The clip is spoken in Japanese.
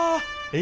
え！